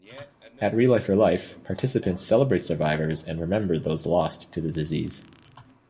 At Relay For Life, participants celebrate survivors and remember those lost to the disease.